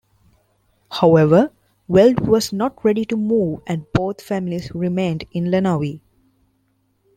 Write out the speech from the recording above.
However, Weld was not ready to move and both families remained in Lenawee.